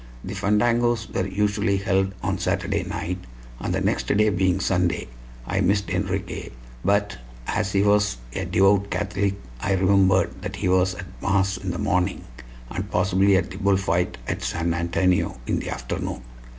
The fandangos were usually held on Saturday night, and the next day, being Sunday, I missed Enriquez; but as he was a devout Catholic I remembered that he was at mass in the morning, and possibly at the bullfight at San Antonio in the afternoon.